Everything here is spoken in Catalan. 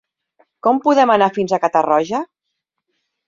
Com podem anar fins a Catarroja?